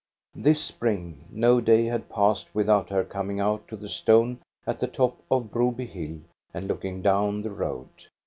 This spring, no day had passed without her coming out to the stone at the top of Broby hill and looking down the road.